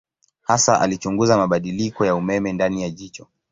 Hasa alichunguza mabadiliko ya umeme ndani ya jicho.